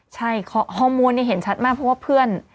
ใช่ฮอร์โมนนี่เห็นชัดมากเพราะว่าเพื่อน